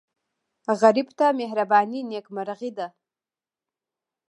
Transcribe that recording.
غریب ته مهرباني نیکمرغي ده